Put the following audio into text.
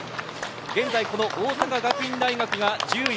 現在、大阪学院大学が１０位。